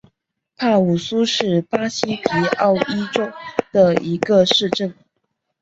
帕武苏是巴西皮奥伊州的一个市镇。